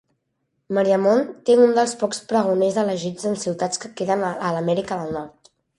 Mariemont té un del pocs pregoners elegits en ciutats que queden a l'Amèrica del Nord.